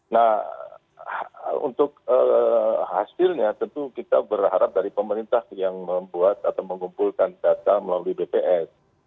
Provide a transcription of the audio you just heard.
nah untuk hasilnya tentu kita berharap dari pemerintah yang membuat atau mengumpulkan data melalui bps